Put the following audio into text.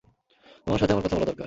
তোমার সাথে আমার কথা বলা দরকার।